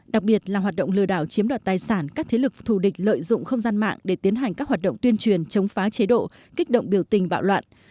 đặc biệt là hoạt động lừa đảo chiếm đoạt tài sản các thế lực thù địch lợi dụng không gian mạng để tiến hành các hoạt động tuyên truyền chống phá chế độ kích động biểu tình bạo loạn